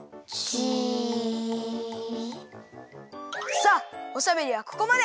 さあおしゃべりはここまで！